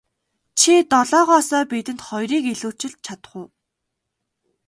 Чи долоогоосоо бидэнд хоёрыг илүүчилж чадах уу.